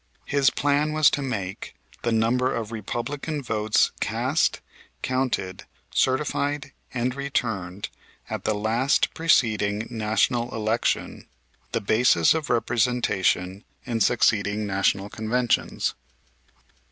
His plan was to make the number of Republican votes cast, counted, certified and returned at the last preceding National election, the basis of representation in succeeding National Conventions.